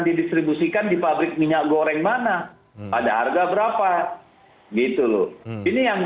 didistribusikan di pabrik minyak goreng mana pada harga berapa gitu loh ini yang